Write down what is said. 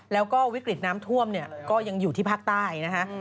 แล้วก็วิกฤตน้ำท่วมเนี่ยก็ยังอยู่ที่ภาคใต้นะคะ